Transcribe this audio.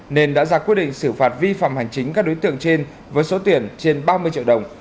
nên đã ra quyết định xử phạt vi phạm hành chính các đối tượng trên với số tiền trên ba mươi triệu đồng